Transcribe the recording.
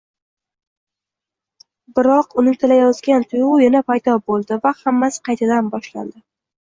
Biroq unutilayozgan tuyg‘u yana paydo bo‘ldi va hammasi qaytadan boshlandi: